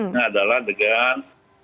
ini adalah dengan